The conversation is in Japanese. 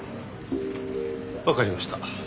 わかりました。